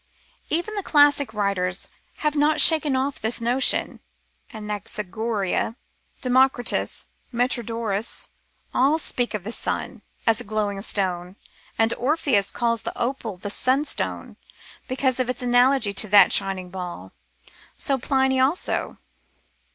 Even the classic writers had not shaken off this notion. Anaxagoras, Democritus, Metrodorus, all speak of the sun as a glowing stone,^ and Orpheus ^ calls the opal the sunstone, because of its analogy to that shining ball. So Pliny also.